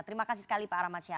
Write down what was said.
terima kasih sekali pak rahmat syah